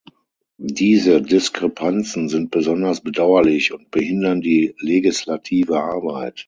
Diese Diskrepanzen sind besonders bedauerlich und behindern die legislative Arbeit.